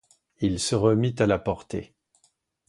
Il se remit à la porter.